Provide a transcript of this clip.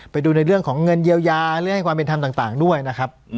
ไปดูในเรื่องของเงินเยียวยาเรื่องให้ความเป็นธรรมต่างด้วยนะครับ